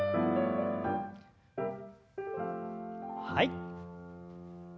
はい。